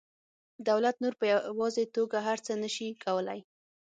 دولت نور په یوازې توګه هر څه نشي کولی